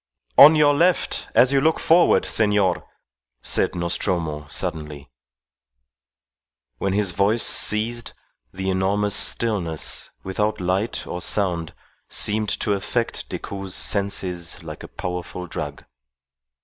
"On your left as you look forward, senor," said Nostromo, suddenly. When his voice ceased, the enormous stillness, without light or sound, seemed to affect Decoud's senses like a powerful drug.